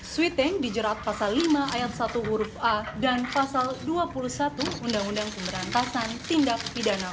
sweeting dijerat pasal lima ayat satu huruf a dan pasal dua puluh satu undang undang pemberantasan tindak pidana